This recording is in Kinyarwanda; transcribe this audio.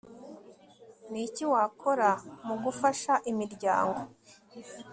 ni iki wakora mu gufasha imiryango